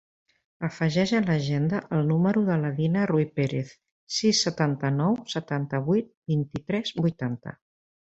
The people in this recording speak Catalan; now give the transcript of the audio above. Afegeix a l'agenda el número de la Dina Ruiperez: sis, setanta-nou, setanta-vuit, vint-i-tres, vuitanta.